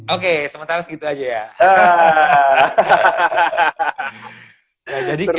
oke sementara segitu aja ya